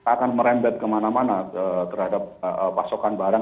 akan merembet kemana mana terhadap pasokan barang